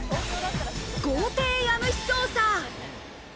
豪邸家主捜査！